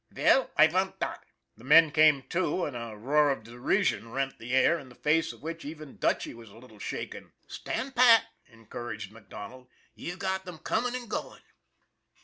Veil, I vant dot." The men came to, and a roar of derision rent the air, in the face of which even Dutchy was a little shaken. " Stand pat," encouraged MacDonald. " You've got them coming and going."